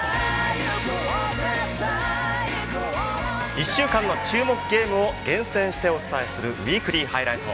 １週間の注目ゲームを厳選してお伝えする「ウィークリーハイライト」。